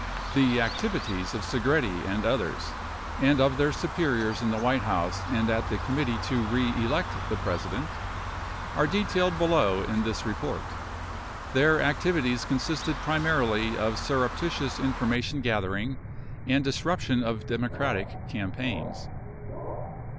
The activities of Segretti and others — and of their superiors in the White House and at the Committee To Re Elect the President — are detailed below in this re port. Their activities consisted primarily of surreptitious information gathering and disruption of Democratic campaigns.